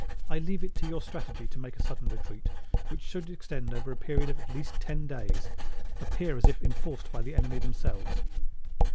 I leave it to your strategy to make a sudden retreat (which should extend over a period of at least ten days) appear as if enforced by the enemy themselves."